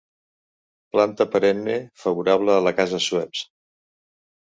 Planta perenne favorable a la casa Schweppes.